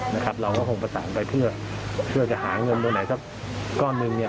นะครับเราก็คงประสานไปเพื่อจะหาเงินตัวไหนสักก้อนหนึ่งเนี่ย